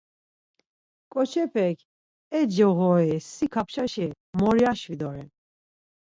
Ǩoçepek, E coğori si kapçaşi morya şvi doren.